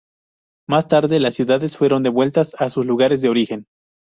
Más tarde, las ciudades fueron devueltas a sus lugares de origen.